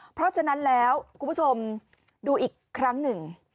เพราะฉะนั้นแล้วคุณผู้ชมดูอีกครั้งหนึ่ง